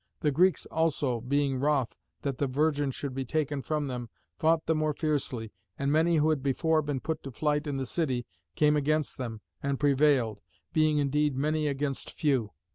The Greeks also, being wroth that the virgin should be taken from them, fought the more fiercely, and many who had before been put to flight in the city came against them, and prevailed, being indeed many against few.